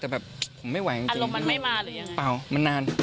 อารมณ์มันไม่มาหรือยังไง